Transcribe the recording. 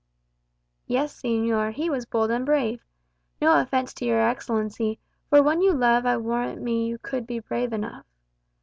"Yes, señor; he was bold and brave. No offence to your Excellency, for one you love I warrant me you could be brave enough.